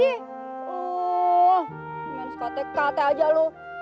biar sepatu kate aja lo